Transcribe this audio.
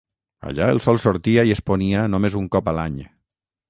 Allà el sol sortia i es ponia només un cop a l'any.